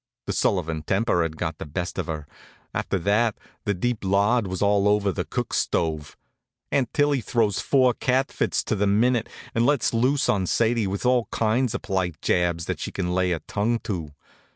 The Sullivan temper had got the best of her. After that the deep lard was all over the cook stove. Aunt Tillie throws four cat fits to the minute, and lets loose on Sadie with all kinds of polite jabs that she can lay her tongue to.